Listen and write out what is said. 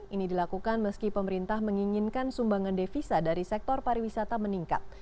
ini dilakukan meski pemerintah menginginkan sumbangan devisa dari sektor pariwisata meningkat